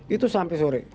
itu sampai sore